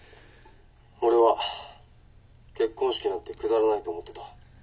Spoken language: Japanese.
俺は結婚式なんてくだらないと思ってた。